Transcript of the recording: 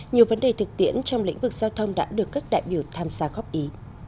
nhiều vấn đề thực tiễn trong lĩnh vực giao thông đã được các đại biểu tham gia góp ý